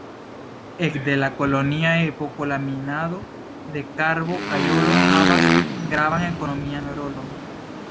Ekde la kolonia epoko, la minado de karbo kaj oro havas gravan ekonomian rolon.